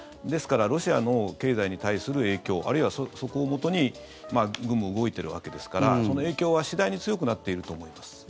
ですからロシアの経済に対する影響あるいは、そこをもとに軍も動いているわけですからその影響は、次第に強くなっていると思います。